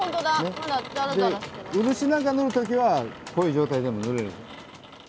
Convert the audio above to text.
漆なんか塗る時はこういう状態でも塗れるんです。